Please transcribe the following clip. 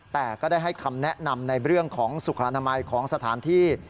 แต่ก็ได้ให้คำแนะนำในเรื่องของสุขอนามัยของสถานที่